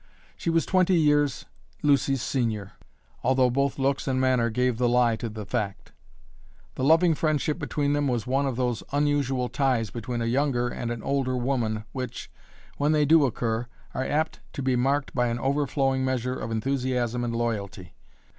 She was twenty years Lucy's senior, although both looks and manner gave the lie to the fact. The loving friendship between them was one of those unusual ties between a younger and an older woman which, when they do occur, are apt to be marked by an overflowing measure of enthusiasm and loyalty.